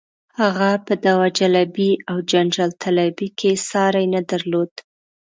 هغه په دعوه جلبۍ او جنجال طلبۍ کې یې ساری نه درلود.